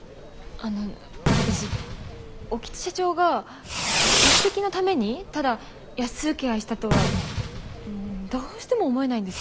あの私興津社長が実績のためにただ安請け合いしたとはどうしても思えないんです。